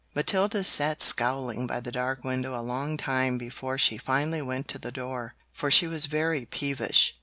Matilda sat scowling by the dark window a long time before she finally went to the door, for she was very peevish.